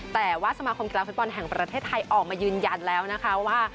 แต่ว่าสมาคมกีฬาฟุตบอลแห่งประเทศไทยออกมายืนยันแล้วนะคะว่า